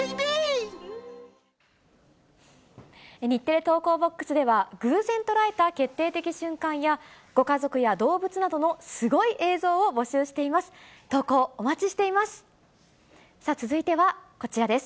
日テレ投稿ボックスでは、偶然捉えた決定的瞬間や、ご家族や動物などのすごい映像を募集しています。